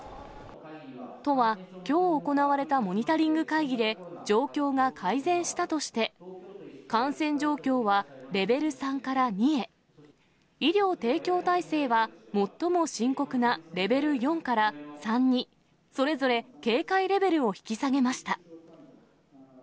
都は、きょう行われたモニタリング会議で状況が改善したとして、感染状況はレベル３から２へ、医療提供体制は最も深刻なレベル４から３に、それぞれ警戒レベルを引き下げました。